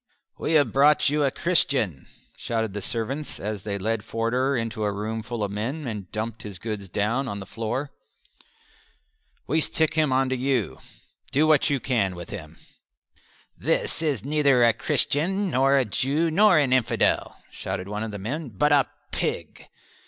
"We have brought you a Christian," shouted the servants as they led Forder into a room full of men, and dumped his goods down on the floor. "We stick him on to you; do what you can with him." "This is neither a Christian, nor a Jew, nor an infidel," shouted one of the men, "but a pig."